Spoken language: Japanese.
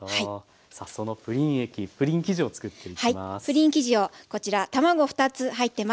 プリン生地をこちら卵２つ入ってます。